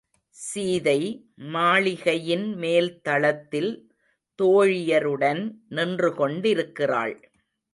சீதை மாளிகையின் மேல் தளத்தில் தோழியருடன் நின்றுகொண்டிருக்கிறாள்.